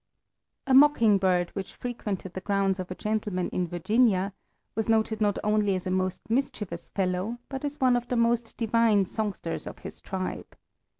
A mockingbird which frequented the grounds of a gentleman in Virginia was noted not only as a most mischievous fellow, but as one of the most divine songsters of his tribe.